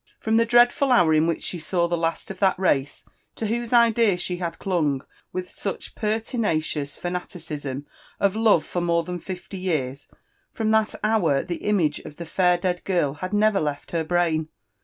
From the dreadful hour in which she saw the last of that race, to whose idea she had clung with such pertinacious fana ticism of love for more than fifty years — from that hour the image of the fair dead girl had never left her brain.